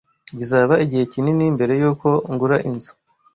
Bizaba igihe kinini mbere yuko ngura inzu.